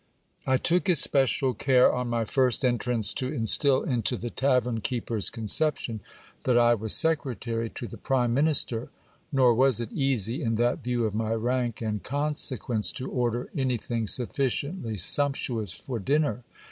I took especial care, on my first entrance, to instil into the tavern keeper's conception that I was secretary to the prime minister ; nor was it easy, in that view of my rank and consequence, to order anything sufficiently sumptuous for dinner.